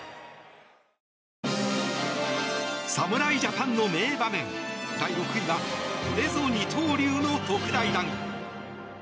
侍ジャパンの名場面、第６位はこれぞ二刀流の特大弾。